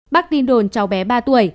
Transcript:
bác tin đồn cháu bé ba tuổi